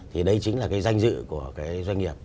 thì đây chính là cái danh dự của cái doanh nghiệp